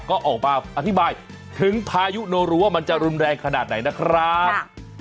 ก็ออกมาอธิบายถึงพายุโนรูว่ามันจะรุนแรงขนาดไหนนะครับ